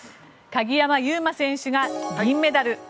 鍵山優真選手が銀メダル。